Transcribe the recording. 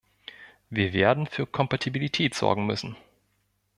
Wir werden für Kompatibilität sorgen müssen.